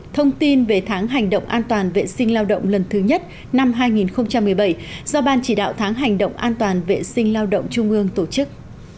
thông tin về tháng hành động an toàn vệ sinh lao động lần thứ nhất năm hai nghìn một mươi bảy do ban chỉ đạo tháng hành động an toàn vệ sinh lao động trung ương tổ chức